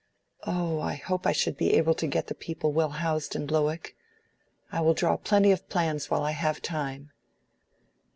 Oh, I hope I should be able to get the people well housed in Lowick! I will draw plenty of plans while I have time."